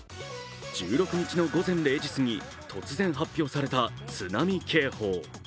１６日の午前０時過ぎ、突然発表された津波警報。